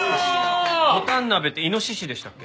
ぼたん鍋ってイノシシでしたっけ？